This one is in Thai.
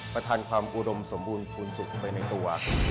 ประธานความอุดมสมบูรณ์ภูมิสุขไปในตัว